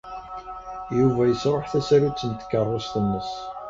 Yuba yesṛuḥ tasarut n tkeṛṛust-nnes.